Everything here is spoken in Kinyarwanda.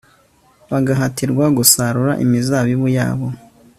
bagahatirwa gusarura imizabibu yabo